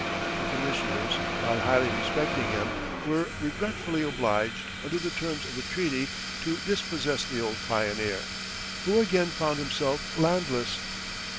The commissioners, while highly respecting him, were regretfully obliged under the terms of the treaty to dispossess the old pioneer, who again found himself landless.